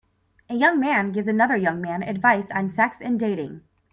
A young man gives another young man advise on sex and dating.